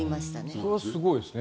それはすごいですね。